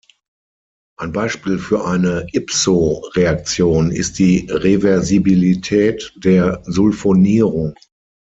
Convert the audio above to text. Ein Beispiel für eine "ipso"-Reaktion ist die Reversibilität der Sulfonierung.